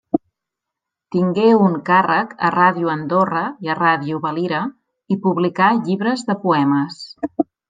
Tingué un càrrec a Ràdio Andorra i a Ràdio Valira i publicà llibres de poemes.